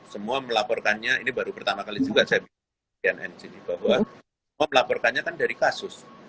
semua melaporkannya ini baru pertama kali juga saya bilang sini bahwa semua melaporkannya kan dari kasus